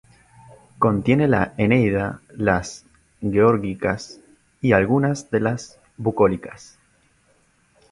Contiene la "Eneida", las "Geórgicas" y algunas de las "Bucólicas".